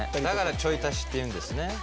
だからちょい足しっていうんですね。